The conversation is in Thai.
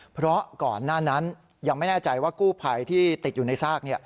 เพราะก่อนหน้านั้นยังไม่แน่ใจว่ากู้ภัยที่ติดอยู่ในซาก